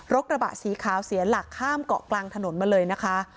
กระบะสีขาวเสียหลักข้ามเกาะกลางถนนมาเลยนะคะ